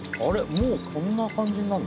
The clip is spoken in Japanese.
もうこんな感じになるの？